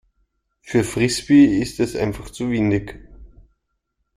Für Frisbee ist es einfach zu windig.